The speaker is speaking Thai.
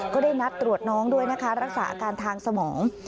ก็ได้นัดตรวจน้องด้วยนะคะรักษาอาการทางสมอง